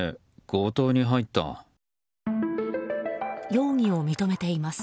容疑を認めています。